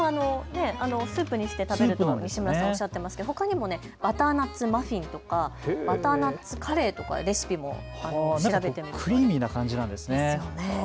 スープにして食べると西村さん、おっしゃっていましてほかにもまたバターナッツマフィンとか、バターナッツカレーとかレシピも調べてみると、クリーミーな感じなんですね。